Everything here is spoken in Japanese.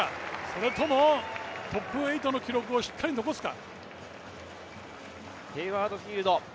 それとも、トップ８の記録をしっかり残すか。